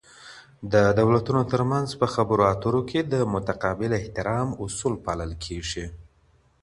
د دولتونو ترمنځ په خبرو اترو کي د متقابل احترام اصول پالل کیږي.